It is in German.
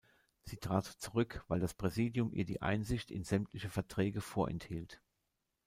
Sie trat zurück, weil das Präsidium ihr die Einsicht in sämtliche Verträge vorenthielt.